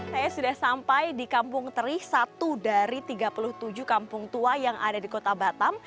saya sudah sampai di kampung teri satu dari tiga puluh tujuh kampung tua yang ada di kota batam